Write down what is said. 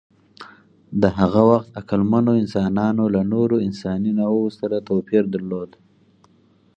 د هغه وخت عقلمنو انسانانو له نورو انساني نوعو سره توپیر درلود.